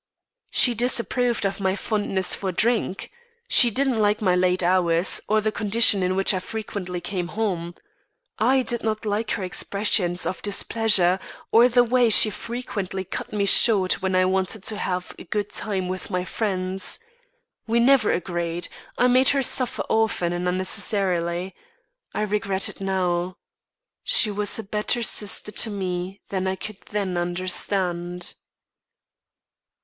"She disapproved of my fondness for drink. She didn't like my late hours, or the condition in which I frequently came home. I did not like her expressions of displeasure, or the way she frequently cut me short when I wanted to have a good time with my friends. We never agreed. I made her suffer often and unnecessarily. I regret it now; she was a better sister to me than I could then understand."